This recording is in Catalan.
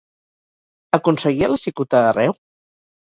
Aconseguia la cicuta arreu?